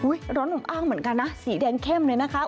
ร้อนอบอ้างเหมือนกันนะสีแดงเข้มเลยนะคะ